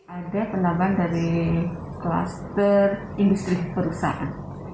ada penambahan dari kluster industri perusahaan